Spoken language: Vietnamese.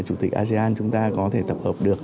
chủ tịch asean chúng ta có thể tập hợp được